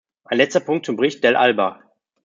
Ein letzter Punkt zum Bericht Dell' Alba.